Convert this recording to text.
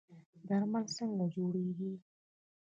درمل څنګه جوړیږي؟